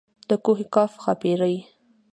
د کوه قاف ښاپېرۍ.